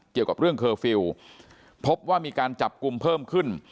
เกี่ยวกับเรื่องเคอร์ฟิลล์พบว่ามีการจับกลุ่มเพิ่มขึ้น